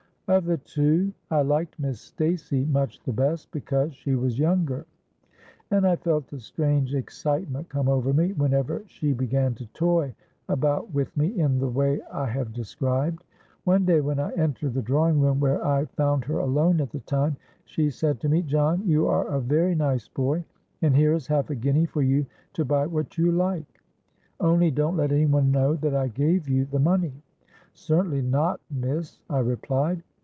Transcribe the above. Of the two I liked Miss Stacey much the best, because she was younger; and I felt a strange excitement come over me whenever she began to toy about with me in the way I have described. One day, when I entered the drawing room, where I found her alone at the time, she said to me, 'John, you are a very nice boy; and here is half a guinea for you to buy what you like. Only don't let any one know that I gave you the money.'—'Certainly not, Miss,' I replied.